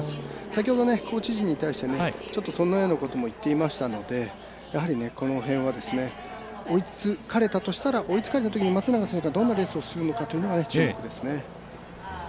先ほどコーチ陣に対してそんなようなことも言ってましたのでこの辺は追いつかれたとしたら追いつかれたときにどんなレースをするのかというのが注目ですね。